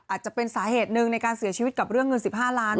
อาจจะเป็นสาเหตุหนึ่งในการเสียชีวิตกับเรื่องเงิน๑๕ล้าน